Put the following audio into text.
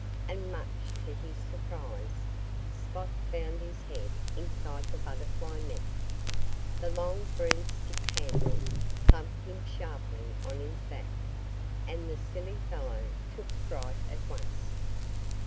And, much to his surprise, Spot found his head inside the butterfly net. The long broomstick handle thumped him sharply on his back. And the silly fellow took fright at once.